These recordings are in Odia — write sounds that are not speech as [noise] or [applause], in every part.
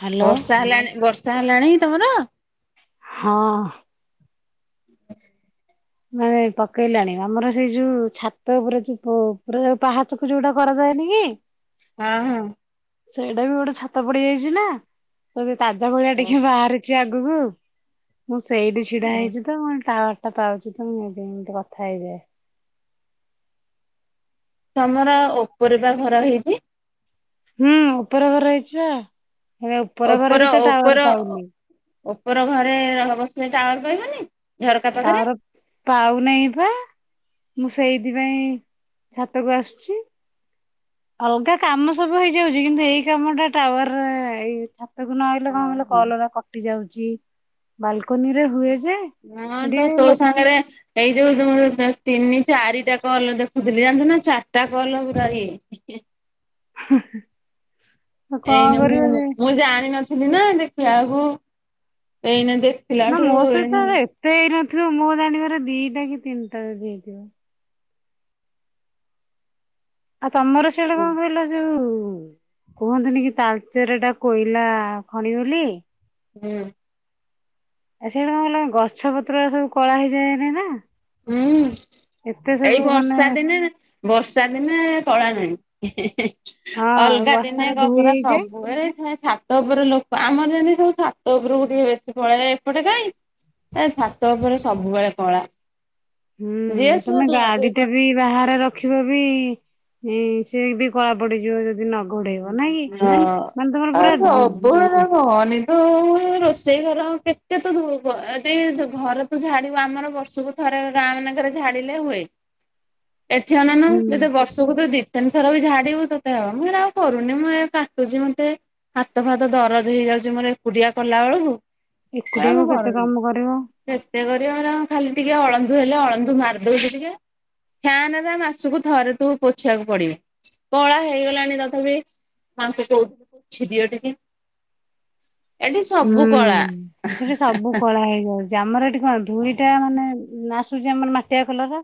ହ୍ୟାଲୋ। ବର୍ଷା ହେଲାଣି ବର୍ଷା ହେଲାଣି ତମର? ହଁ। ମାନେ ପକେଇଲାଣି ଆମର ସେଇ ଯୋଉ ଛାତ ଉପୁରେ ଯୋଉ ପୁରା ପାହାଚକୁ ଯୋଉଟା କରାଯାଏନି କି? ହଁ ହଁ। ସେଇଟା ବି ଗୋଟେ ଛାତ ପଡି ଯାଇଛି ନା ତ ତାଜା ଭଳିଆ ଟିକେ ଓହୋ ବାହାରି ଆଗକୁ ମୁଁ ସେଇଠି ଛିଡା ହେଇଛି ତ ମୁ ଟାୱାର ଟା ପାଉଛି। ଆଜ୍ଞା ଏମିତି କଥା ହେଇଯାଏ। ତମର ଓପରେପା ଘର ହେଇଛି? ହୁଁ ଉପର ଘର ହେଇଛିିବା ଏ ଉପର ଘର ଓପର ବି ତ ଟାୱାର ପାଉନି। ଓପର ଘରେ ରହବସିଲେ ଟାୱାର ପାଇବନି? ଝରକା ପାଖରେ। ଟାୱାର ପାଉ ନେଇଁ ପା ମୁଁ ସେଇଥିପାଇଁ ଛାତକୁ ଆସୁଛି। ଅଲଗା କାମ ସବୁ ହେଇଯାଉଛି କିନ୍ତୁ ଏଇ କାମ ଟା ଟାୱାର ରେ ତାକୁ ନହେଲେ କଣ କହିଲେ ଓହୋ। କଲରା କଟି ଯାଉଛି ବାଲକନି ରେ ହୁଏ ଯେ ହ ସେଠି ତ ତୋ ଲୋକ ସାଙ୍ଗରେ ଏଇ ଯୋଉ ତମ ଯ ତିନି ଚାରିଟା କଲ ଦେଖୁଥିଲି ଜାଣଛୁ ନା ଚାରିଟା କଲ ପୁରା ଏଇ [inaudible] [inaudible] କଣ ଏଇନା ମୁଁ କରିବ ଯେ ମୁଁ ଜାଣିିନଥିଲି ନା ଦେଖିଲା ବେଳକୁ ଏଇନା ଦେଖି ନା ମୋ ସହିତ ଏତେ ହେଇନଥିବ ମୋ ଜାଣିବାର ଦିଟା କି ତିନିଟା ଯଦି ହେଇଥିବ। ଆଉ ତମର ସେଟା ହୁଁ କଣ କହିଲ ଯୋଉ କୁହନ୍ତୁନି କି ତାଲଚେରିରେ ଏଟା କୋଇଲା ଖଣି ବୋଲି? ହୁଁ। ଆଉ ସେଇଠୁ କଣ କ ଗଛ ପତ୍ର ସବୁ କଳା ହେଇଯାଏନି ନା? ହୁଁ। ଏତେ ଏଇ ସବୁ ମାନେ ବର୍ଷା ଦିନେ ବର୍ଷା ଦିନେ କଳା ନାହିଁ ହେଁ ହେଁ ହେଁ। ହଁ ଅଲଗା ଦିନେ ବର୍ଷାରେ କଣ ଧୋଇ ପୁରା ହେଇଯାଏ। ସବୁ ବେଳେ ସେ ଠା ଛାତ ଉପର ଲୋକ ଆମର ଯେମିତି ସବୁ ଛାତ ଉପରକୁ ଟିକେ ବେଶୀ ପଳେଇଏ ଏପଟେ କାଇଁ। ଏ ଛାତ ଉପରେ ସବୁବେଳେ କଳା ଯିଏ ହୁଁ ସିଏ ତମେ ଧୁଆ ଗାଡି ଧୁଇ ଟେ ବି କରି ବାହାରେ ରଖିବ ବି ସେ ବି କଳା ପଡିଯିବ ଯଦି ନ ଘୋଡେଇବ ନାଇଁ କି ହଁ ମାନେ ତମର ପୁରା ସବୁ ସେରା କହନି ତୁ। ରୋଷେଇ ଘର କେତେ ତୁ ଧୋଇ ଘର ତୁ ଝାଡିବୁ ଆମର ବର୍ଷକୁ ଥରରେ ଗାଁ ମାନକରେ ଝାଡ଼ିଲେ ହୁଏ। ଏଠି ଅନଉନୁ ହୁଁ ଯଦି ବର୍ଷକୁ ଦି ତିନି ଥର ବି ଝାଡିବୁ ତତେ ହବ। ମୁଁ ସେରା ଆଉ କରୁନି ମୁଁ ଏ କାଟୁଛି ମତେ। ହାତ ଫାତ ଦରଜ ହେଇଯାଉଛି ମୋର ଏକୁଡିଆ କଲା ବେଳକୁ। ନା ମୁ ଏକୁଟିଆକୁ କେତେ କରୁନି। କାମ କରିବ କେତେ କରିବାର ଖାଲି ଟିକେ ଅଳନ୍ଦୁ ହେଲେ ଅଳନ୍ଦୁ ମାରିଦଉଛି ଟିକେ। ଫ୍ୟାନ ତା ମାସକୁ ଥରେ ତୁ ପୋଛିବାକୁ ପଡିବୁ କଳା ହେଇଗଲା। ତଥାପି ଆଙ୍କୁ କହୁ ପୋଛି ଦିଅ ଟିକେ। ଏଠି ହୁଁ ସବୁ କଳା ସେଠି ସବୁ କଳା ହେଇଯାଉଛି ଆମର ଏଠି କଣ ଧୁଳିଟା ମାନେ ନା ଆସୁଛି ଆମର ମାଟିଆ କଲରର।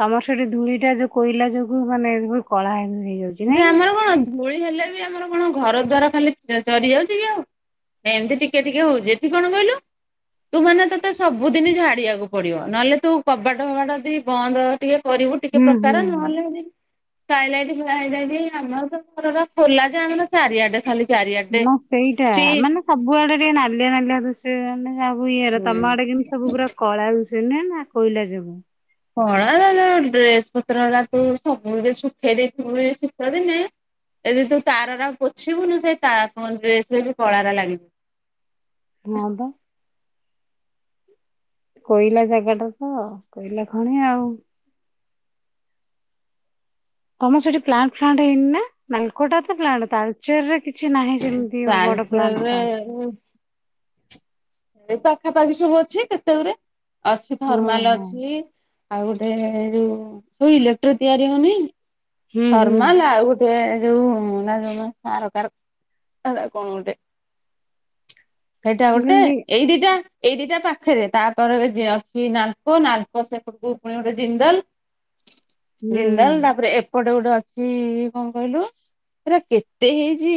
ତମର ସେଠି ଧୂଳିଟା ଯୋଉ କୋଇଲା ଯୋଗୁ ମାନେ ବୋହୁତ କଳା ହେଇଯାଉଛି। ଯେ ନାଇଁ ଆମର କଣ ଧୂଳି ହେଲେ ବି ଆମର କଣ ଘର ଦ୍ଵାର ଖାଲି ଚରି ଯାଉଛି କି ଆଉ। ଏମିତି ଟିକେ ଟିକେ ହଉଛି ଏଠି କଣ କହିଲୁ। ତୁ ମାନେ ତୋତେ ସବୁଦିନ ଝାଡିବାକୁ ପଡିବ ନହେଲେ ତୁ କବାଟ ଫବାଟ ଦେଇ ବନ୍ଦ ଟିକେ କରିବୁ କି ଟିକେ ହୁଁ ହୁଁ ପ୍ରକାର ନହେଲେ ସ୍କାଏଲାଇଟ୍ ସ୍କାଏଲାଇଟ୍ ଆମର ତ ଘରର ଖୋଲା ଯେ ଆମର ଚାରିଆଡେ ଖାଲି। ଚାରିଆଡେ ନା ସେଇଟା ଫ୍ରିଜ ମାନେ ସବୁ ଆଡେ ଟିକେ ନାଳିଆ ନାଳିଆ ଦିଶୁଛି ମାନେ ହୁଁ। ତମଆଡ଼େ କିନ୍ତୁ ସବୁଗୁରା କଳାରୁୁ ସିନା କୋଇଲା ଯୋଗୁ। କଳା ଡ୍ରେସ ପତ୍ରରା ତୁ ସବୁ ଶୁଖେଇ ଦେଇଥିବୁ ଶୀତ ଦିନେ ଏଦି ତୁ ତାରରା ପୋଛିବୁନି ସେ ତା କ ଡ୍ରେସରେ ବି କଳାରେ ଲାଗିିଜିବ। ହଁ ପା। କୋଇଲା ଜାଗାଟା ତ କୋଇଲା ଖଣି ଆଉ। ତମ ସେଠି ପ୍ଲାଣ୍ଟ ଫ୍ଲାଣ୍ଟ ହେଇନି ନା ନାଲକୋଟା ତ ପ୍ଲାଣ୍ଟ ତାଲଚରରେ କି କିଛି ନାହିଁ ସେମିତି ବଡର ପ୍ଲାଣ୍ଟ ତାଲରେ ପ୍ଲାଣ୍ଟ। [inaudible] ଏ ପାଖାପାଖି ସବୁ ଅଛି କେତେ ଗୁରେ ଅଛି ଥର୍ମାଲ ଓହୋ। ଅଛି। ଆଉ ଗୋଟେ ଯୋଉ ସବୁ ଇଲେକ୍ଟ୍ରିକ ତିଆରି ହଉନି। ହୁଁ ହୁଁ ଥର୍ମାଲ ଆଉ ଗୋଟେ ଯୋଉ ସେରା କଣ ଗୋଟେ। ସେଇଟା ମୁଁ ଗୋଟେ କହିଲି ଏଇ ଦିଟା। ଏଇ ଦିଟା ପାଖରେ ତାପରେ ଅଛି ନାଲକୋ ନାଲକୋ ସେପଟକୁ ପୁଣି ଗୋଟେ ଜିନ୍ଦଲ। [inaudible] ହୁଁ ଜିନ୍ଦଲ ତାପରେ ଏପଟେ ଗୋଟେ ଅଛି କଣ କହିଲୁ ସେରା କେତେ ହେଇଛି?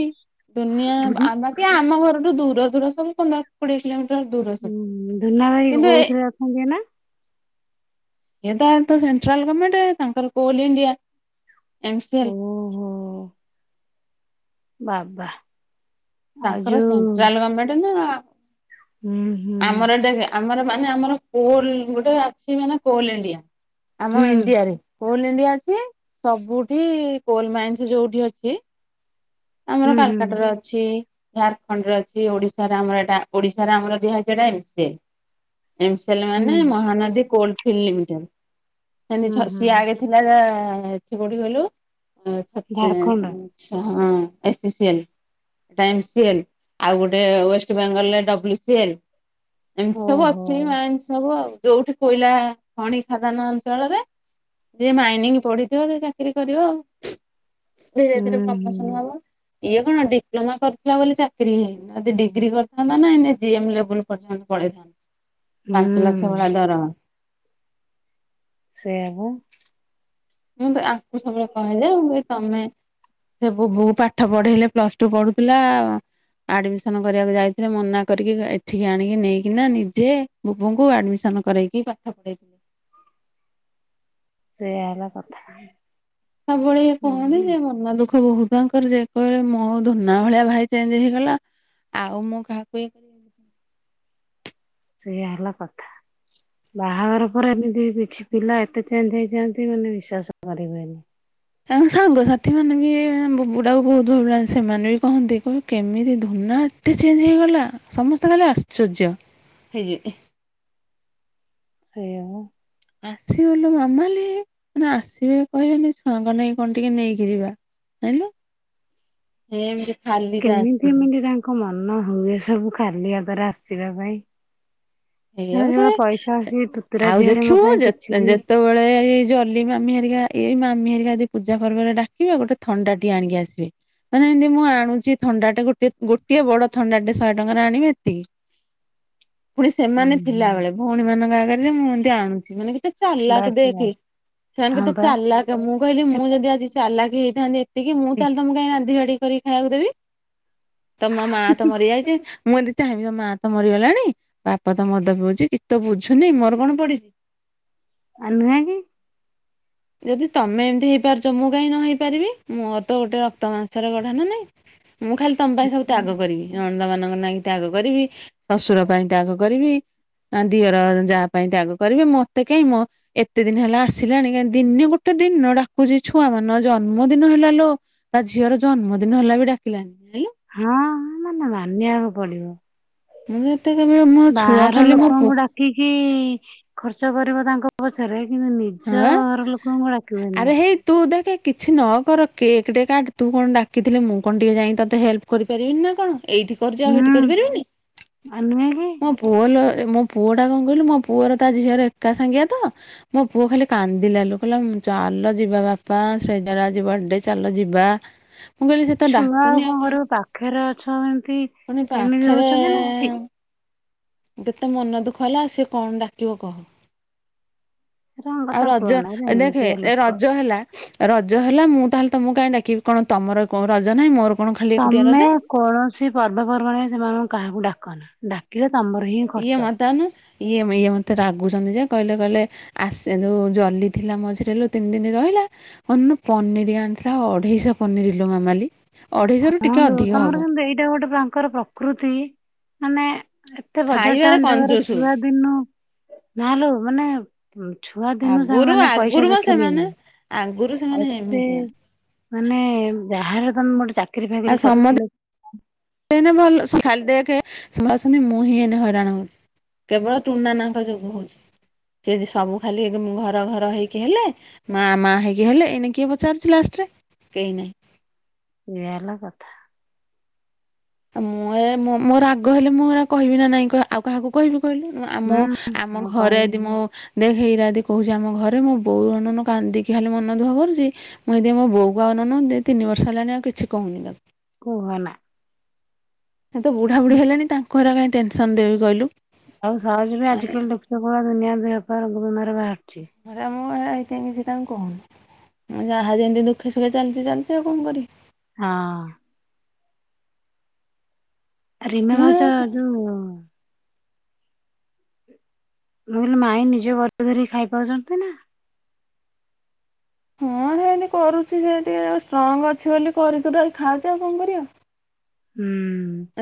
ଦୁନିଆ ଧୁନ ଆମ କି ଆମ ଘରଠୁ ଦୂର ଦୂର ସବୁ ପନ୍ଦର କୋଡିଏ କିଲୋମିଟର। ଦୂର ସବୁ ହୁଁ ଧୂନା ଭାଇ କିନ୍ତୁ ଏ ଇଏ କୋଉଥିରେ ଅଛନ୍ତି ଏଇନା? ଏ ତାର ତ ସେଣ୍ଟ୍ରାଲ ଗମେଣ୍ଟ ତାଙ୍କର କୋଲ ଇଣ୍ଡିଆ ଏଙ୍ଗସେଲ। ଓହୋ ବାବା। ଆଉ ତାଙ୍କର ଯୋଉ ସେଣ୍ଟ୍ରାଲ ଗଭର୍ଣମେଣ୍ଟ ନା ହୁଁ ହୁଁ ଆମର ଦେଖ। ଆମର ମାନେ ଆମର କୋଲ ଗୋଟେ ଅଛି ମାନେ କୋଲ ଇଣ୍ଡିଆ ଆମ ହୁଁ ଇଣ୍ଡିଆରେ। କୋଲ ଇଣ୍ଡିଆ ଅଛି ସବୁଠି କୋଲ ମାଇନ୍ ଯୋଉଠି ଅଛି। ଆମର ହୁଁ ହୁଁ କାଲକାଟା ର ଅ ଛି ଝାରଖଣ୍ଡରେ ଅଛି ଓଡିଶ ରେ ଆମର ଏଟା ଓଡିଶ ରେ ଆମର ଦିଆହେଇଚି ଏଟା [unintelligible] ଏଲ ହୁଁ ମାନେ ମହାନଦୀ କୋ ଫିଲ୍ଡମେ ହୁଁ ହୁଁ ସିଏ ଆଗେ ଥିଲା ଯା ଏଠି କୋଠି କଲୁ ହଁ ଛତି ଝାଡଖଣ୍ଡ ଛ [unintelligible] ଟାଇମ ସିଏଲି ଆଉ ଗୋଟେ ୱଷ୍ଟ ବେଙ୍ଗଲରେ ଡବ୍ଲୁ ସିଲ୍। ଏମିତି ସବୁ ଓହୋ ଅଛି ମାଇନ୍ସ ସବୁ ଆ ଯୋଉଠି କୋଇଲା ଖଣି ଖାଦାନ ଅଞ୍ଚଳରେ। ଯିଏ ମାଇନିଂ ପଢିଥିବ ସେ ଚାକିର କରିବ ଆଉ ଧୀରେ ହୁଁ ଧୀରେ ପ୍ରମୋସନ ହୁଁ ହବ। ଇଏ କଣ ଡିପ୍ଲୋମା କରିଥିଲା ବୋଲି ଚାକିରି ହେଇନି ଯଦି ଡିଗ୍ରୀ କରିଥାନ୍ତା ନା ଜିଏମ୍ ଲେବୁଲ ପର୍ଯ୍ୟନ୍ତ ପଳେଇଥାନ୍ତି ପାଞ୍ଚ ଲକ୍ଷ ହୁଁ ଭଳିଆ ଦରମା। ସେୟା ପା। ମୁଁ ଆକୁ ସବବେଳେ କହେଁଜେ ମୁ କଇନ ତମେ ସେ ବୁବୁକୁ ପାଠ ପଢେଇଲେ ପ୍ଲସ ଟୁ ପଢୁଥିଲା। ଆଡମିସନ କରିବାକୁ ଯାଇଥିଲେ ମନା କରିକି ଏଠିକି ଆଣିକି ନେଇକିନା ନିଜେ ବୁବୁଙ୍କୁ ଆଡମିସନ କରେଇକି ପାଠ ପଢେଇ ସେଇଆ ହେଲା। କଥା। ସବବେଳେ ଇ କହନ୍ତି ଆଜ୍ଞା ଯେ ମନ ଦୁଃଖ ବୋହୁତ। ତାଙ୍କର ଯେ କହିଲେ ମୋ ଧନା ଭଳିଆ ଭାଇ ଚେଞ୍ ହେଇଗଲା ଆଉ ମୁଁ କାହାକୁ ଇଏ କରିବି ସେୟା ହେଲା କଥା। ବାହାଘର ପରେ ଏମିତି କିଛି ପିଲା ଏତେ ଚେଞ୍ଜ ହେଇଜାନ୍ତି ମାନେ ବିଶ୍ଵାସ କରିହୁଏନି। ତାଙ୍କ ସାଙ୍ଗସାଥି ମାନେ ବି ବୁଢାକୁ ବୋହୁତ ଭଲ ପାଆନ୍ତି ସେମାନେ ବି କହନ୍ତି କେମିତି ଧନା। ଏତେ ଚେଞ୍ଜ୍ ହେଇଗଲା ସମସ୍ତେ ଖାଲି ଆଶ୍ଚର୍ଯ୍ୟ ହେଇଯିବେ। ସେୟା ପା। ଆସିବଲ ମାମାଲି ମାନେ ଆସିବେ କହିବେନି ଛୁଆଙ୍କ ପାଇଁ କଣ ଟିକେ ନେଇକି ଯିବା। ଯାଇଁଲୁ ଏମତି ଖାଲି ଟା ଆସିବେ। ଙ୍କ ମନ ହୁଏ ସବୁ ଖାଲି ହାତରେ ଆସିବା ପାଇଁ। ଏଇଆ ମାନେ ସେଗୁଡା ପଇସା କହେ ଆସି ତୁତୁରା ଆଉ ଝିଅରେ ମୋ ଦେଖିବୁ ପାଇଁ କିଛି ବି ଯେତେବେଳେ ଏଇ ଜଲ ଲି ମାମି ହେରିକା ଏଇ ମାମି ହେରିକା ଯଦି ପୂଜା ପର୍ବ ଡାକିବେ ଆ ଗୋଟେ ଥଣ୍ଡା ଟିଏ ଆଣିକି ଆସିବେ। ମାନେ ଏମତି ମୁଁ ଆଣୁଚି ଥଣ୍ଡା ଟେ ଗୋଟେ ଗୋଟିଏ ବଡ ଥଣ୍ଡାଟେ ଶହେ ଟଙ୍କାରେ ଆଣିବେ ଏତିକି। ପୁଣି ହୁଁ ସେମାନେ ହୁଁ ଥିଲାବେଳେ ଭଉଣୀ ମାନଙ୍କ ଆଗରେ ଯେ ମୁଁ ଏମିତି ଆଣୁଚି ମାନେ କେତେ ଚାଲାକ ବାସ୍ ଦେଖେ ବାସ୍ ସେମାନେ ହଁ କେତେ ବା ଚାଲାକ। ମୁଁ କହିଲି ମୁଁ ଯଦି ଆଜି ସେଲାକି ହେଇଥାନ୍ତି ଏତିକି ମୁଁ ସେମିତି ତାହେଲେ ତମକୁ କାଇଁ ରାନ୍ଧି ବାଡିକରିକି ଖାଇବାକୁ ଦେବି। ତ ମ ମା ତ ମରିଯାଇଚି ମୁଁ ଏମିତି ଚାହିଁବି ତମ ମା ତ ମରିଗଲାଣି। ବାପ ତ ମଦ ପିଉଚି କିଛିତ ବୁଝୁନି ମୋର କଣ ପଡିଛି। ଆଉ ନୁହେଁକି। ଯଦି ତମେ ଏମିତି ହେଇପାରୁଚ ମୁଁ କାହିଁ ନ ହେଇପାରିବି ମୋର ତ ଗୋଟେ ରକ୍ତ ମାଂସରେ ଗଢା ନା ନାଇଁ। ମୁଁ ଖାଲି ତମ ପାଇଁ ସବୁ ତ୍ୟାଗ କରିବି ନଣଦ ମାନଙ୍କ ନାଁକି ତ୍ୟାଗ କରିବି। ଶଶୁର ପାଇଁ ତ୍ୟାଗ କରିବି। ଦିଅର ଯା ପାଇଁ ତ୍ୟାଗ କରିବି ମତେ କାହିଁ ମୋ ଏତେ ଦିନ ହେଲା ଆସିଲାଣି କାଇଁ ଦିନେ ଗୋଟେ ଦିନ ଡାକୁଚି ଛୁଆ ମାନଙ୍କ ଜନ୍ମଦିନ ହେଲା ଲୋ। ତା ଝିଅର ଜନ୍ମଦିନ ହେଲା ବି ଡାକିଲାନି। ହଁ ମାନେ ମାନିବାକୁ ପଡିବ। ମୁଁ ଯେତେ [unintelligible] ମୋ ଛୁଆ ଖାଲି ମୋ ପୁଅ। ଠିକି ଖର୍ଚ୍ଚ କରିବ ତାଙ୍କ ପଛରେ କିନ୍ତୁ ନି ହଁ ଚ ବା ଘର ଲୋକଙ୍କୁ ଡାକିବନି। ଆରେ ହେଇ ତୁ ଦେଖେ କିଛି ନ କର କେକ୍ ଟେ କାଟ ତୁ କଣ ଡାକିଥିଲି ମୁଁ କଣ ଟିକେ ଯାଇ ତୋତେ ହେଲ୍ପ କରିପାରିବିନି ନା କଣ ଏଇଟି କରୁଚି ଆଉ ହେଟି ହୁଁ କରିପାରିବିନି ଆଉ ନୁହେଁ କି? ମୋଁ ପୁଅ ଲୋ ମୋ ପୁଅ ଟା କଣ କହିଲୁ ମୋ ପୁଅର ତା ଝିଅର ଏକା ସାଙ୍ଗିଆ ତ ମୋ ପୁଅ ଖାଲି କାନ୍ଦିଲା ଲୋ କହିଲା ଚାଲ ଯିବା ବାପା ଶ୍ରେଜା ର ଆଜି ବଡେ ଚାଲ ଯିବା। ହ ମୁଁ କହିଲି ସେ ତ ଛୁଆ ଡାକୁନି ଆଉ କଣ କରିବୁ ପାଖରେ ଅଛ ଏମିତି ପୁଣି ଏମିତି ପାଖେରେ ହଉଛନ୍ତି ନା ଛି ଯେତେ ମନ ଦୁଃଖ ହେଲା ସିଏ କଣ ଡାକିବ କହ? ତାଙ୍କ ଆଉ କଥା ରଜ କୁହନା ଏରା ଦେଖେ ଏମିତିଆ ଲୋକ। ରଜ ହେଲା। ରଜ ହେଲା ମୁଁ ତାହେଲେ ତମକୁ କାଇଁ ଡାକିବି କଣ ତମର କଣ ରଜ ନାହିଁ ମୋର କଣ ଖାଲି ଏକୁଟିଆ ରଜ। ତମେ କୌଣସି ପର୍ବପର୍ବାଣି ସେମାନଙ୍କୁ କାହାକୁ ଡାକନା। ଡାକିଲେ ତମର ହିଁ ଇଏ ଖର୍ଚ୍ଚ। ମତେ ଅନା ଇଏ ଇଏ ମତେ ରାଗୁଚନ୍ତି ଯେ କହିଲେ କହିଲେ ଆସେ ଯୋଉ ଜଲି ଥିଲା ମଝିରେ ଲୋ ତିନ ଦିନ ରହିଲା। ଅନୁ ପନିରି ଆଣିଥିଲା ଅଢେଇଶହ ପନିର ଲୋ ମାମାଲି। ଅଢେଇଶହ ରୁ ହଁ ଟିକେ ଲୋ ଅଧିକ ହବ ତମର କିନ୍ତୁ ଏଇଟା ଗୋଟେ ତାଙ୍କର ପ୍ରକୃତି ମାନେ ଏତେ ବଜାର ଖାଇବାରେ ଟାଉନ ଜାଗାରେ କଞ୍ଜୁସୁ ଛୁଆ ଦିନୁ ନା ଲୋ ମାନେ ଛୁଆ ଦିନୁ ଆଗରୁ ସେମାନେ ଆଗରୁ ପଇସା ବା ସେମାନେ ଦେଖିଲେଣି ଆଗରୁ ସେମାନେ ଆଉ ସେ ଏମିତିଆ ମାନେ ଯାହାଲେ ତମ ଗୋଟେ ଚାକିରି ଆଉ ଫାକିରି ସମସ୍ତେ କରିଥିଲ। ଏଇନେ ଭଲ ସେ ଖାଲି ଦେଖେ ସେ ଅଛନ୍ତି ମୁଁ ହିଁ ଏଇନେ ହଇରାଣ ହଉ କେବଳ ଟୁନ୍ ନାନା ଙ୍କ ଯୋଗୁଁ ହଉଚି ସିଏ ଯଦି ସବୁ ଖାଲି ଏବେ ମୁଁ ଘର ଘର ହେଇକି ହେଲେ ମା ମା ହେଇକି ହେଲେ ଏଇନେ କିଏ ପଚାରୁଚି ଲାଷ୍ଟ୍ ରେ କେହି ନାହିଁ। ଏଇୟା ହେଲା କଥା। ମୁଁ ଏ ମୁ ମୋର ରାଗ ହେଲେ ମୁଁ ହେରାକ କହିବି ନା ନାଇଁ କହ? ଆଉ କାହାକୁ କହିବି କହିଲୁ? ହୁଁ ମୁଁ ଆମ ମୁଁ ଘରେ ଏଦି କହିବି ମୁ ଦେଖ ଏଇରାଦି କହୁଚି ଆମ ଘରେ ମୋ ବୋଉ ଅନଉନ କାନ୍ଦିକି ଖାଲି ମନ ଦୁଃଖ କରୁଚି। ମୁ ସେଥିପାଇଁ ମୋ ବୋଉ କୁ ଆଉ ଅନଉନୁ ଦି ତିନି ବର୍ଷ ହେଲାଣି ଆଉ କିଛି କହୁନି ତାକୁ। କୁହନା। ସେ ତ ବୁଢା ବୁଢ଼ୀ ହେଲେଣି ତାଙ୍କୁ ହେରା କାଇଁ ଟେନସନ ଦେବି କହିଲୁ। ଆଉ ସହଜେ ବି ଆଜିକାଲି ଦେଖୁଚ କୋଉ ପ୍ରକାର ଦୁନିଆର ଦେହ ପା ରୋଗ ବେମାର ବାହାରୁଛି। ସେଥିପାଇଁ ମୁଁ ତାଙ୍କୁ ସେଥିପାଇଁ କିଛି ତାଙ୍କୁ କହୁନି। ଉଁ ଯାହା ଯେମତି ଦୁଃଖେ ସୁଖେ ଚାଲଚି ଚାଲଚି ଆଉ କଣ କରି ହଁ। ଆ ରିନା ମୁଁ ଭାଉଜ ଉଁ ଉଁ ଉଁ ରୁଲ୍ ମାଇଁ ନିଜେ ଘରେ ଧରିକି ଖାଇପାରୁଛନ୍ତି ନା? ହଁ ସେମତି କରୁଚି ସେ ଟିକେ ଷ୍ଟ୍ରଙ୍ଗ୍ ଅଛି ବୋଲି କରି କୁରା ଖାଉଚି ଆଉ କଣ କରିବା? ଉଁ।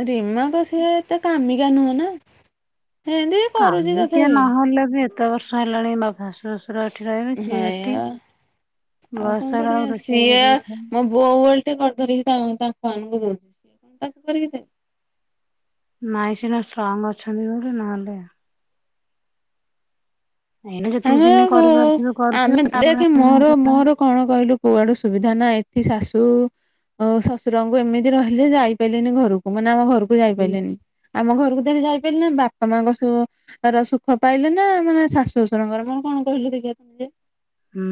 ରିମା କସ୍ ସେ ଏତେ କାମିକା ନୁହଁ ନା। ସେମିତି କରୁଛି କାମିକିଆ ତଥାପି ନହଲେ ବି ଏତେ ବର୍ଷ ହେଲାଣି ମା ବାସ୍ ଶଶୁର ଏଠି ରହିବେ। ସିଏ ଏଠି ହଇଆ ବୟସ ହେଲାବେଳକୁ ସିଏ ଯଦି ମାନେ ବୋ ଓଲଟି କରି ଧରିକି ତା ତାଙ୍କଆାନଙ୍କୁ ଦଉଚି। ତାଙ୍କୁ କରିକି ଦେ। ମାଇଁ ସିନା ଷ୍ଟ୍ରଙ୍ଗ୍ ଅଛନ୍ତି ବୋଲି ନହେଲେ ଏଇନା ଯେତିକି ଆମେ ଦିନ କରିପାରୁଥିବେ ଆମେ କରୁଥିବେ ତାପରେ ଦେଖେ ହୁଁ ମୋର ମୋର କଣ କହିଲୁ କୁଆଡୁ ସୁବିଧା ନା ଏଠି ଶାଶୁ ଆଉ ଶ୍ୱଶୁରଙ୍କୁ ଏମିତି ରହିଲେ ଯାଇ ପାରିଲନି ଘରକୁ ମାନେ ଆମ ଘରକୁ ଯାଇପାଇଲିନି। ଆମ ଘରୁକୁ ତ ଏବେ ଯାଇପାଇଲିନାଇ ବାପା ମାଙ୍କ ର ସୁ କର ସୁଖ ପାଇଲି ନା ମୁଇଲି ଶାଶ୍ ଶ୍ୱଶରଙ୍କର କଣ କଣ କହିଲୁ ଦେଖିବା ଟିକେ। ହୁଁ।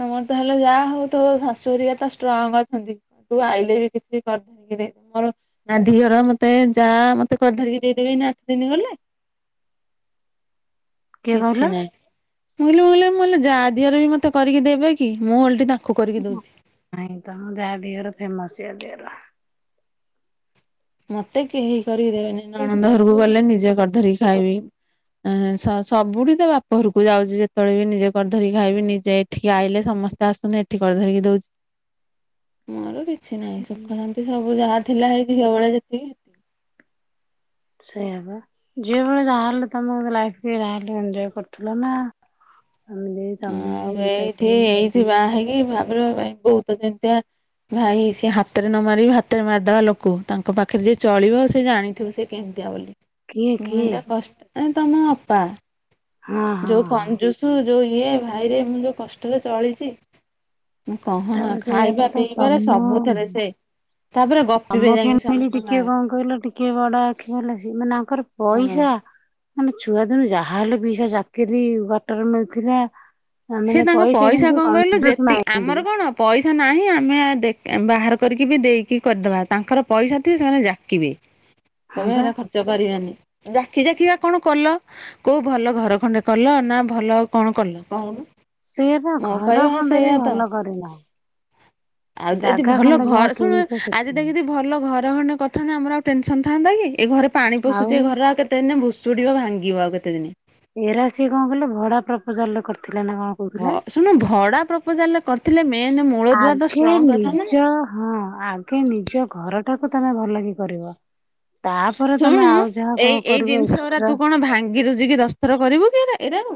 ତମର ତାହେଲେ ଯାହା ହଉ ତୋ ଶାଶୁହେରିକା ତ ଷ୍ଟ୍ରଙ୍ଗ୍ ଅଛନ୍ତି। ତୁ ଆଇଲେ ବି କିଛି କରିଦେନ ଆମର। ନା ଦିଅର ମତେ ଯାଆ ମତେ କରି ଧରିକି ଦେଇଦେବେ ଏଇ ନେ ଆଠ ଦିନ ଗଲେ। କିଏ କହିଲ? କିଛି ନାହିଁ ମୁ କହିଲି ମୁଁ ହେଲେ ମୁଁ ହେଲେ ଯାଆ ଦିଅର ବି ମତେ କରିକି ଦେବେ କି ମୁଁ ଓଲଟି ତାଙ୍କ କୁ କରିକି ଦଉଚି। ନାଇଁ ତମ ଯାଆ ଦିଅର ଫେମସ୍ ସିଏ ଦଅର। ମତେ କେହି କରିକିଦେବେନି। ସେ ନଣନ୍ଦ ଘରୁକୁ ଗଲେ ନିଜେ କରି ଧରିକି ଖାଇବି। ଏଁ ସବୁଠି ତ ବାପ ଘରକୁ ଯାଉଚି ଯେତବେଳେ ବି ନିଜେ କରି ଧରିକି ଖାଇବି। ନିଜେ ଏଠିକି ଆଇଲେ ସମସ୍ତେ ଆସନି ଏଠ୍ ଏଠି କରି ଧରିକି ଦଉ ନହେଲେ କି କିଛି ନାହିଁ ସୁଖ ଶାନ୍ତି ସବୁ ଯାହା ଥିଲା ହେଇ ଝିଅ ବଳେ ଯେତିକି। ସେଇଆ ବା ଝିଅ ବେଳେ ଯାହାଲେ ତମେ ଲାଇଫ କି ଯାହେଲେ ଏନଜଏ କରୁଥିଲ ନା। ଆମ ଦେଇ ତମେ ଯେମ ତା ଦେଇ। କି ବା ହେଇକି ଭାବିବ କାଇଁ ବୋଉ ତ ଜେମତିଆ। ଭାଇ ସାଏ ହାତରେ ନ ମାରି ଭାତରେ ମାରିଦବା ଲୋକ ତାଙ୍କ ପାଖରେ ଯିଏ ଚଳିବ ସେ ଜାଣିଥିବ ସେ। କେମତିଆ ବୋଲି। କିଏ ମୁଁ କିଏ ସେମତିଆ କଷ୍ଟ ଏଁ ତମ ଅପା ହଁ ହଁ ଯୋଉ ହଁ କଞ୍ଜୁସୁ ଯୋଉ। ଇଏ ଭାଇରେ ମୁଁ ଯୋଉ କଷ୍ଟରେ ଚଳିଛି। ମୁଁ କହନା ତାପରେ ସେଇଆ ବା ଖାଇବା ତ ପିଇବାରେ ତମ ସବୁଥିରେ ସେ। ତାପରେ ଗପି ବେ ଯାଇକି ସମସ୍ତଙ୍କ ଆଗରେ। କିଏ ବଡ ଆଖି ଭଲ ସେ ମାନେ ଆଙ୍କର ମାମା ପଇସା। ମାନେ ଛୁଆଦିନୁ ଯାହାହଲେ ପଇସା ଚାକିରିୀ କ୍ୱଟର ମିଳଥିଲା। ସିଏ ତାଙ୍କ ପଇସା କଣ କହିଲ ଯେତିକି ମାଇଣ୍ଡ ଆମର କଣ। ପଇସା ନାହିଁ ଆମେ ଦେ ବାହାର କରିକି ବି ଦେଇକି କରିଦବା ତାଙ୍କର ପଇସା ଥିବ ସେମାନେ ଜାକିବେ। ହଁ କଇବେ ବା। ଏରା ଖର୍ଚ୍ଚ କରିବାନି ଜାକି ଯାକି କା କଣ କଲ। କୋଉ ଭଲ ଘର ଖଣ୍ଡେ କଲ ନା ଭଲ କଣ କଲ କହୁନୁ। ସେଇଆ ବା ମୋ ଘର କହିବା ଖଣ୍ଡେ ବି ସେଇଆ ତ। ଭଲ କରିନ। ଆଉ ଦ ଏଦି ଜାଗା ଭଲ ଖଣ୍ଡେ ଯାହା ଘର କିଣିଛ ଶୁଣୁନୁ ଆଜି ସେତିକି। ଦେଖି ଭଲ ଘର ଖଣ୍ଡେ କରିଥାନ୍ତ ଆମର ଆଉ ଟେନସନ ଥାନ୍ତା କି ଏ ଘରେ ପାଣି ପଶୁଛି ଏ ଘରେ ରା ଆଉ କେତେ କେତେ ଦିନେ ଭୁଷୁଡିବ ଭାଙ୍ଗିବ ଆଉ କେତ ଦିନେ। ଏରା ସିଏ କଣ କହିଲ ଭଡା ପ୍ରପୋଜାଲରେ କରିଥିଲା ନା କଁ। ଭ ଶୁଣୁନ ଭଡା ପ୍ରପୋଜାଲ ରେ କରିଥିଲେ ମେନ୍ ମୂଳ ଦୁଆ ତ ଆଗେ ଷ୍ଟ୍ରଙ୍ଗ କରି ଥାନ୍ତ ନା। ନିଜ ହଁ ଆଗେ ନିଜ ଘର ଟାକୁ ତମେ ଭଲ କି କରିବ। ତାପରେ ଶୁଣୁ ତମେ ଆଉ ଯାହା ଏଇ କଣ ଏଇ କରିବ ଜିନିଷ ଗୁରା ତୁ ଏକ୍ସଟ୍ରା। କଣ ଭାଙ୍ଗି ରୁଜି କି ଦସ ଥର କରିବୁ କି ଏରା ଏରାକୁ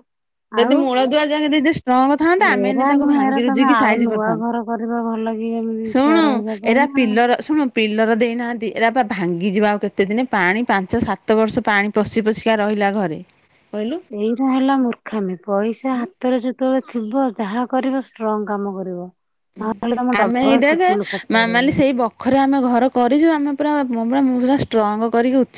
ଆଉ ଯଦି ମୂଳ ଦୁଆ ଯା ଯଦି। ଷ୍ଟ୍ରଙ୍ଗ ଥାନ୍ତା ଆମେ ଏଇନେ ଏରା ତାକୁ ନୁହେଁ ଏରା ଭାଙ୍ଗି ତମେ ରୁଜିକି ଆଉ ସାଇଜି ନୂଆ କରିଥାନ୍ତୁ ଘର କରିବା ଭଲ କି ଏମିତି ଛୁଆ ଶୁଣୁ। ରହିବା ପାଇଁ ଏଇରା ନା ଆଉ। ପିଲର ଶୁଣୁ ପିଲର ଦେଇନାହାନ୍ତି ଏଇରା ବା ଭାଙ୍ଗି ଯିବା ଆଉ କେତେ କେତେ ଦିନେ ପାଣି ପାଞ୍ଚ ସାତ ବର୍ଷ ପାଣି ପଶି ପଶିକା ରହିଲା ଘରେ କହିଲୁ। ଏଇରା ହେଲା ମୂର୍ଖାମି ପଇସା ହାତରେ ଯେତେବେଳେ ଥିବ ଯାହା କରିବ ଷ୍ଟ୍ରଙ୍ଗ କାମ କରିବ। ହୁଁ ନହେଲେ ତମ ଆମେ ହେଇ ଡବଲ ଦେଖ ଟ୍ରିପୁଲ ଖର୍ଚ୍ଚ କରିବାକୁ ପଡିବ। ମାମାଲି ସେଇ ବ ଖରେ ଆମେ ଘର କରିଛୁ ଆମେ ପୁର ମୁଁ ପୁରା ମୁଁ ପୁରା ଷ୍ଟ୍ରଙ୍ଗ କରିକି ଉଛା।